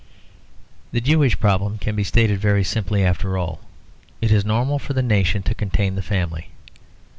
The Jewish problem can be stated very simply after all. It is normal for the nation to contain the family.